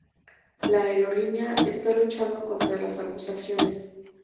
La aerolínea está luchando contra las acusaciones.